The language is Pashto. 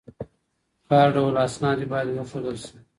که هر ډول اسناد وي باید وښودل سی.